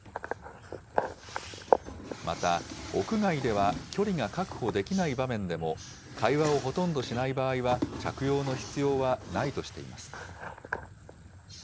また、屋外では距離が確保できない場面でも、会話をほとんどしない場合は、着用の必要はないとしています。